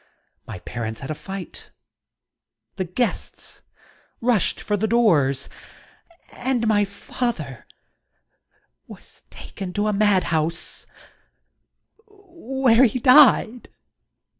My parents had a fight, the guests rushed for the doors — and my father was taken to a madhouse, where he died